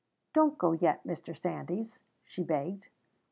"Don't go yet, Mr. Sandys," she begged.